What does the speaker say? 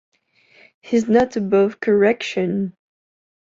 He's not above correction.